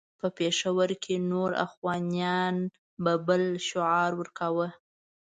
په پېښور کې نور اخوانیان به بل شعار ورکاوه.